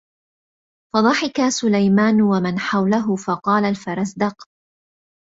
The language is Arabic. فَضَحِكَ سُلَيْمَانُ وَمَنْ حَوْلَهُ فَقَالَ الْفَرَزْدَقُ